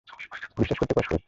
বিশ্বাস করতে কষ্ট হচ্ছে!